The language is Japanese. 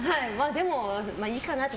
でも、いいかなって。